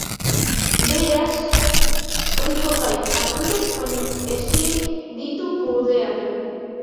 Beraz, ohiko gai arruntak baino ezin ditu kudeatu.